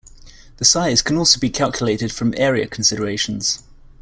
The size can also be calculated from area considerations.